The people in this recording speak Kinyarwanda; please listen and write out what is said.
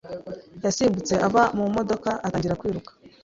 yasimbutse ava mu modoka atangira kwiruka.